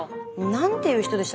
何ていう人でしたっけ？